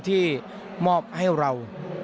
ที่มอบให้เรา